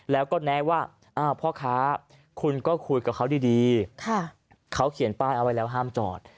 แล้วก็แนะว่าพ่อค้าคุณก็คุยกับเขาดีเขาเขียนป้ายเอาไว้แล้วห้ามจอด